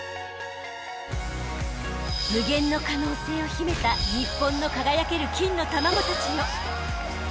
［無限の可能性を秘めた日本の輝ける金の卵たちよ］